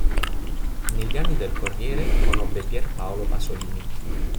Negli anni del Corriere conobbe Pier Paolo Pasolini.